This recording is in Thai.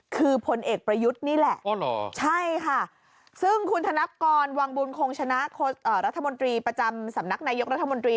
คือพลเอกประยุทธ์นี่แหละใช่ค่ะซึ่งคุณธนกรวังบุญคงชนะรัฐมนตรีประจำสำนักนายกรัฐมนตรี